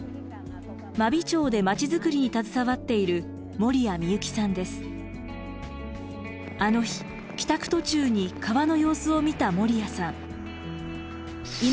真備町で町づくりに携わっているあの日帰宅途中に川の様子を見た守屋さん。